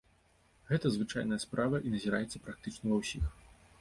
Гэта звычайная справа, і назіраецца практычна ва ўсіх.